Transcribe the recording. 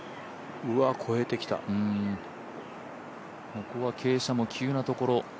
ここは傾斜も急なところ。